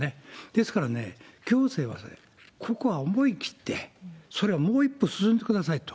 ですからね、行政は、ここは思い切って、それはもう一歩進んでくださいと。